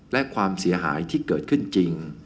และความเสียหายที่เกิดขึ้นจริง